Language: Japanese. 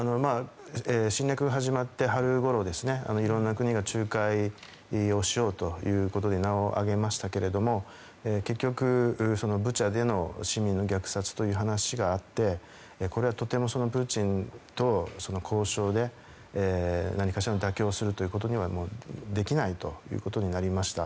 侵略が始まって、春ごろいろいろな国が仲介をしようということで名を上げましたが結局ブチャでも市民の虐殺の話があってこれは、とてもプーチンと交渉で何かしらの妥協をすることはできないということになりました。